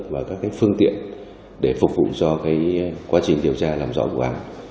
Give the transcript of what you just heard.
và các phương tiện để phục vụ cho quá trình điều tra làm rõ vụ án